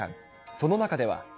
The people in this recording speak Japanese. その中では。